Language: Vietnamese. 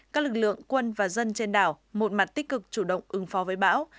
các lực lượng quân và dân trên đảo một mặt tích cực chủ động ứng phó với bão